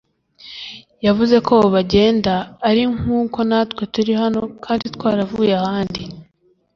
yavuze ko abo bagenda ari “nk’uko natwe turi hano kandi twaravuye ahandi”